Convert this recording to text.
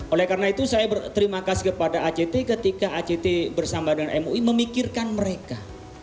oleh karena itu saya berterima kasih kepada act ketika act bersama dengan mui memikirkan mereka